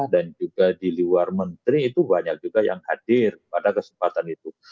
dan juga di luar menteri itu banyak juga yang hadir pada kesempatan itu